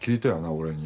俺に。